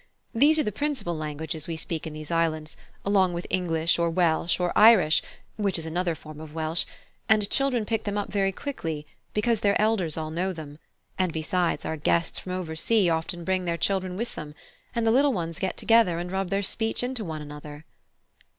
These are the principal languages we speak in these islands, along with English or Welsh, or Irish, which is another form of Welsh; and children pick them up very quickly, because their elders all know them; and besides our guests from over sea often bring their children with them, and the little ones get together, and rub their speech into one another."